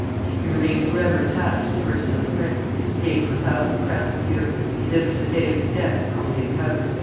He remained forever attached to the person of the prince, who gave him a thousand crowns a year, and he lived to the day of his death at Conde's house.